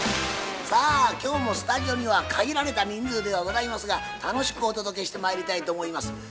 さあ今日もスタジオには限られた人数ではございますが楽しくお届けしてまいりたいと思います。